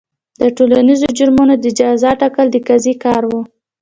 د ټولنیزو جرمونو د جزا ټاکل د قاضي کار و.